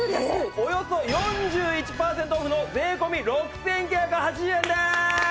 およそ４１パーセントオフの税込６９８０円でーす！